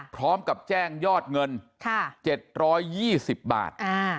พร้อมกับแจ้งยอดเงินค่ะเจ็ดร้อยยี่สิบบาทอ่า